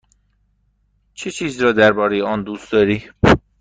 چه چیز را درباره آن دوست داری؟